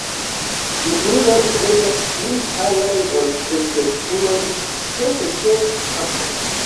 Junuloj estas pli palaj ol plenkreskuloj, ĉefe ĉe kapo.